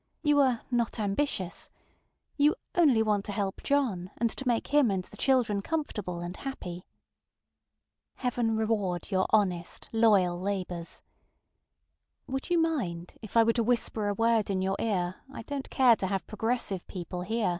You ŌĆ£are not ambitious; ŌĆØ you ŌĆ£only want to help John, and to make him and the children comfortable and happy. ŌĆØ Heaven reward your honest, loyal endeavors! Would you mind if I were to whisper a word in your ear I donŌĆÖt care to have progressive people hear?